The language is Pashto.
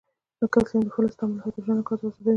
د کلسیم د فلز تعامل هایدروجن ګاز آزادوي.